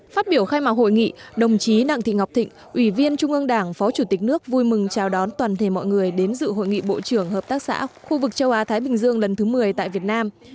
phát biểu khai mạc hội nghị đồng chí đặng thị ngọc thịnh ủy viên trung ương đảng phó chủ tịch nước vui mừng chào đón toàn thể mọi người đến dự hội nghị bộ trưởng hợp tác xã khu vực châu á thái bình dương lần thứ một mươi tại việt nam